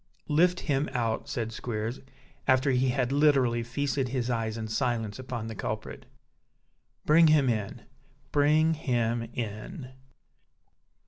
"Lift him out," said Squeers, after he had literally feasted his eyes in silence upon the culprit. "Bring him in; bring him in!"